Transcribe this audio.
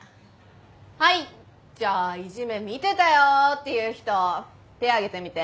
はいじゃあいじめ見てたよっていう人手あげてみて。